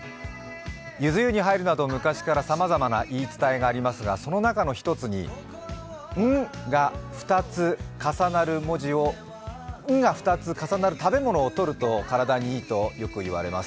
ゆず湯に入るなど昔から様々な言い伝えがありますが、その中の一つに、「ん」が２つ重なる文字を「ん」が重なる食べ物をとると体にいいとよく言われます。